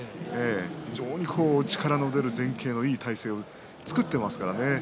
非常に力の出る前傾のいい体勢を作っていますから。